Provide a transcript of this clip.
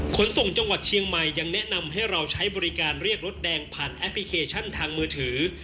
ขนส่งจังหวัดเชียงใหม่ยังแนะนำให้เราใช้บริการเรียกรถแดงผ่านแอปพลิเคชันทางมือถือ